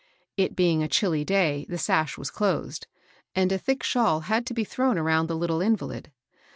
It being a chilly day, the sash was closed ; and a thick shawl had to be thrown around the little invaUd.